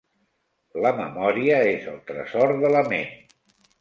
La memòria és el tresor de la ment.